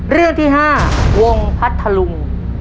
เรื่องที่๕วงพัทธลุง